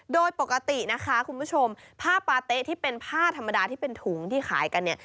โดยปกตินะคะคุณผู้ชมผ้าปาเต๊ะที่เป็นผ้าธรรมดาที่เป็นถุงที่ขายกันเนี่ย